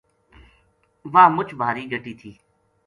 واہ مچ بھاری گٹی تھی